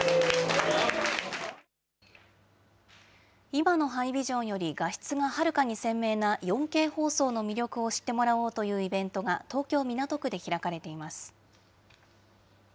今のハイビジョンより画質がはるかに鮮明な４Ｋ放送の魅力を知ってもらおうというイベントが、東京・港区で開かれています。